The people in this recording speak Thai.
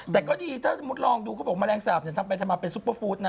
แต่ก็ดีถ้าสมมุติลองดูเขาบอกแมลงสาปทำไปทำมาเป็นซุปเปอร์ฟู้ดนะ